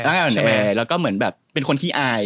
ร่างกายอ่อนแอแล้วก็เหมือนแบบเป็นคนขี้อาย